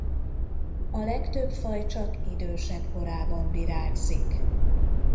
A legtöbb faj csak idősebb korában virágzik.